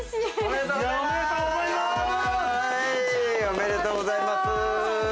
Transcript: おめでとうございます。